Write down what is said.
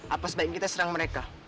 apa sebaiknya kita serang mereka